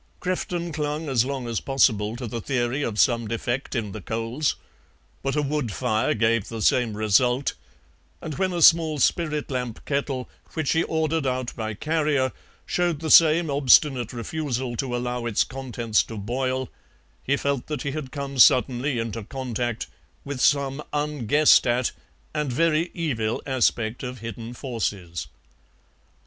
Crefton clung as long as possible to the theory of some defect in the coals, but a wood fire gave the same result, and when a small spirit lamp kettle, which he ordered out by carrier, showed the same obstinate refusal to allow its contents to boil he felt that he had come suddenly into contact with some unguessed at and very evil aspect of hidden forces.